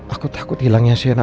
aku takut hilangnya sienna